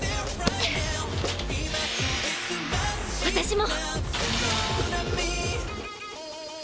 私も！